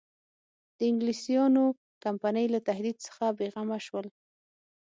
د انګلیسیانو کمپنۍ له تهدید څخه بېغمه شول.